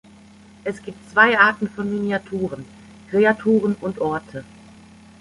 Es gibt zwei Arten von Miniaturen: Kreaturen und Orte.